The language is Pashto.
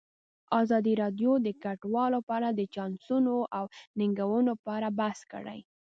ازادي راډیو د کډوال په اړه د چانسونو او ننګونو په اړه بحث کړی.